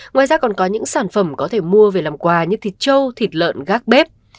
ngoài ra còn có những sản phẩm có thể mua về làm quà như thịt trâu thịt lợn gác bếp